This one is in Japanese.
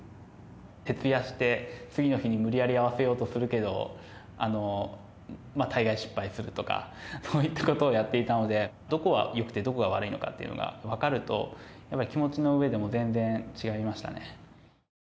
徹夜して、次の日に無理やり合わせようとするけど、大概失敗するとか、そういったことをやっていたので、どこがよくて、どこが悪いのかというのが分かると、やっぱり気持ちの上でも全然違いましたね。